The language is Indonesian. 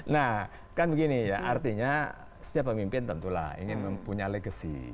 nah kan begini ya artinya setiap pemimpin tentulah ingin mempunyai legacy